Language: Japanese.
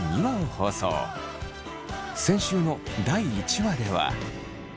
先週の第１話では。